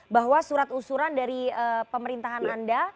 bahwa surat usuran dari pemerintahan anda